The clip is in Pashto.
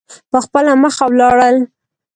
په خپله مخه ولاړل.